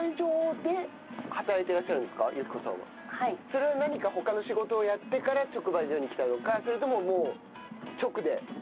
それは何か他の仕事をやってから直売所に来たのかそれとももう直で直売直で直売所？